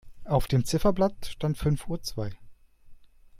Auf dem Ziffernblatt stand fünf Uhr zwei.